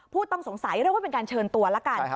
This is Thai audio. ผู้ต้องสงสัยเรียกว่าเป็นการเชิญตัวละกัน